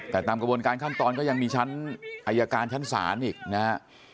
แต่ตามกระบวนการขั้นตอนก็ยังมีชั้นอายการชั้นศาลอีกนะฮะ